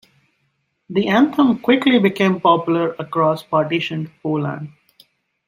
The anthem quickly became popular across partitioned Poland.